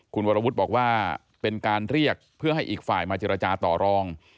คุณวรวุฒิบอกว่าเป็นการเรียกเพื่อให้อีกฝ่ายมาเจรจาต่อรอง